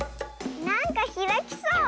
なんかひらきそう。